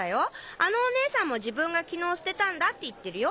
あのおねえさんも「自分がきのう捨てたんだ」って言ってるよ？